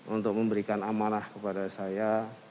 untuk memberikan amanah kepada saya